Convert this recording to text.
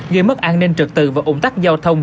gây mất an ninh trật tự và ủng tắc giao thông